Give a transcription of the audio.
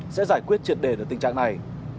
sẽ giải quyết triệt đề được tình trạng này